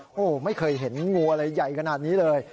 โอ้โหไม่เคยเห็นงูอะไรใหญ่ขนาดนี้เลย